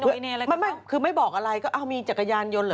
เพื่อนไปรู้เรื่องอะไรกันเนอะคือไม่บอกอะไรก็อ้าวมีจักรยานยนต์เหรอ